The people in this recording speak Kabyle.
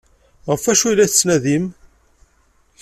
Ɣef wacu ay la tettnadim?